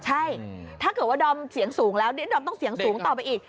ใช่ถ้าเกิดว่าดอมเสียงสูงแล้วดอมต้องเสียงสูงต่อไปอีก